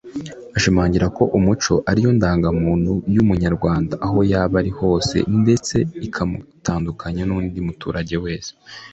Ashimangira ko umuco ari yo ndangamuntu y’Umunyarwanda aho yaba ari hose ndetse ikamutandukanya n’undi muturage wese